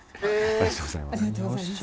ありがとうございます。